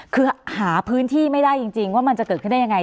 คือหาพื้นที่ไม่ได้จริงว่ามันจะเกิดขึ้นได้ยังไง